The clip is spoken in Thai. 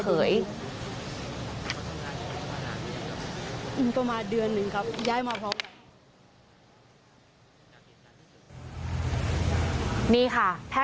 ผมยังอยากรู้ว่าว่ามันไล่ยิงคนทำไมวะ